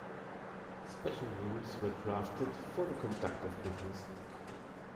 Special rules were drafted for the conduct of business.